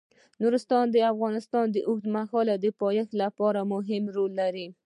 نورستان د افغانستان د اوږدمهاله پایښت لپاره مهم رول لري.